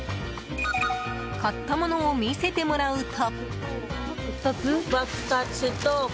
買ったものを見せてもらうと。